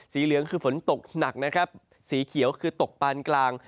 เหลืองคือฝนตกหนักนะครับสีเขียวคือตกปานกลาง